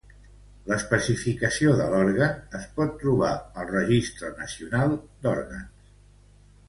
L'especificació de l'òrgan es pot trobar al Registre Nacional d'Òrgans.